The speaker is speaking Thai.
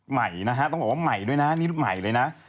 ใหม่นะฮะต้องบอกว่าใหม่ด้วยนะนี่รุ่นใหม่เลยนะ